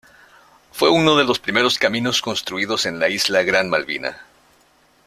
Fue uno de los primeros caminos construidos en la isla Gran Malvina.